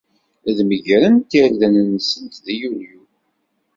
Ad megrent irden-nsent deg Yulyu.